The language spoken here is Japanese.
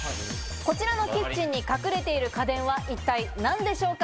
こちらのキッチンに隠れている家電は一体何でしょうか？